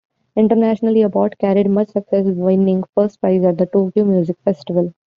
Internationally, Abbott carried much success, winning first prize at the Tokyo Music Festival.